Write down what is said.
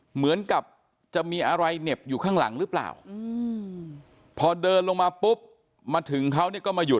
เหมือนกับจะมีอะไรเหน็บอยู่ข้างหลังหรือเปล่าพอเดินลงมาปุ๊บมาถึงเขาเนี่ยก็มาหุ